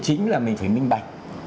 chính là mình phải minh bạch